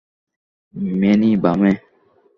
Many, বামে।